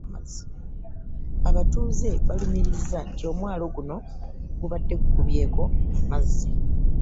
Abatuuze balumiriza nti omwalo guno gwabadde gukubyeko amazzi